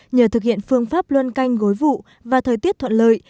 nhờ thực hiện phương pháp luân canh gối vụ và thời tiết thuận lợi